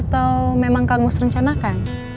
atau memang kang gus rencanakan